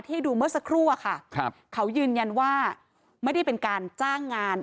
ให้ดูเมื่อสักครู่อะค่ะครับเขายืนยันว่าไม่ได้เป็นการจ้างงาน